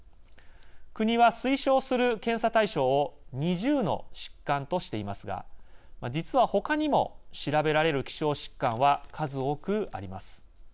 国は推奨する検査対象を２０の疾患としていますが実は、他にも調べられる希少疾患は数多くあります。